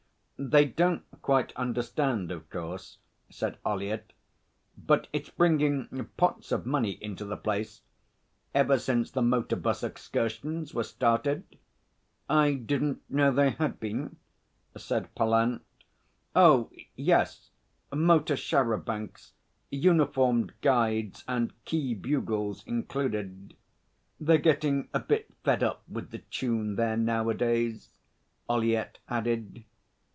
'They don't quite understand, of course,' said Ollyett. 'But it's bringing pots of money into the place. Ever since the motor bus excursions were started ' 'I didn't know they had been,' said Pallant. 'Oh yes. Motor char à bancs uniformed guides and key bugles included. They're getting a bit fed up with the tune there nowadays,' Ollyett added.